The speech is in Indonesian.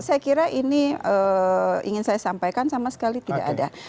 saya kira ini ingin saya sampaikan sama sekali tidak ada